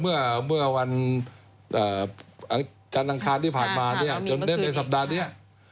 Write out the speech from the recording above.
เมื่อวันทางทางคาที่ผ่านมาจนได้ไปในสัปดาห์นี้